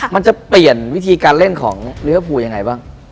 มันจะเปลี่ยนวิธีการเล่นของลิเวอร์ฟูยังไงบ้าง